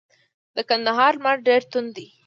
د کندهار لمر ډیر توند دی.